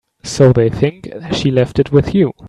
So they think she left it with you.